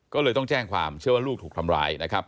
ก็เลยต้องแจ้งความเชื่อว่าลูกถูกทำร้ายนะครับ